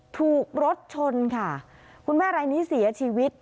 ถูกรถชนค่ะคุณแม่รายนี้เสียชีวิต